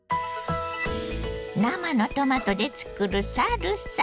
生のトマトで作るサルサ。